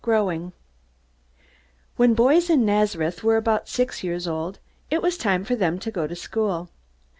Growing When boys in Nazareth were about six years old, it was time for them to go to school.